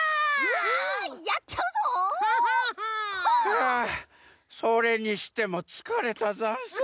あそれにしてもつかれたざんす。